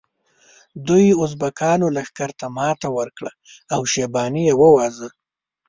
دوی ازبکانو لښکر ته ماته ورکړه او شیباني یې وواژه.